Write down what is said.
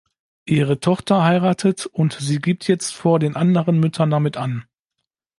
Ihre Tochter heiratet und sie gibt jetzt vor den anderen Müttern damit an.